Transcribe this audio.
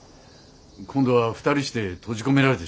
今度は二人して閉じ込められてしまうなんて。